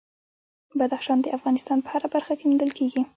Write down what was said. بدخشان د افغانستان په هره برخه کې موندل کېږي.